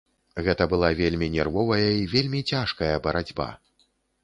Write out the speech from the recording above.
Гэта была вельмі нервовая і вельмі цяжкая барацьба.